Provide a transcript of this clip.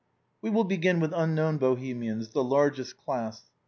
We will begin with unknown Bohemians, the largest class.